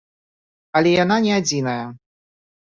Але яна не адзіная.